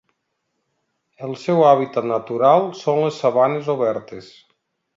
El seu hàbitat natural són les sabanes obertes.